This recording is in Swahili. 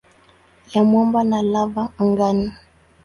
ya mwamba na lava angani.